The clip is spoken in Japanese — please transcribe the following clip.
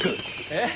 えっ。